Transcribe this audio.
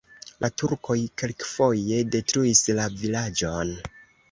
La turkoj kelkfoje detruis la vilaĝon.